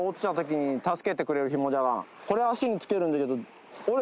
これを足に着けるんじゃけど。